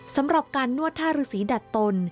สำหรับการนวดท่ารือสีดัดตน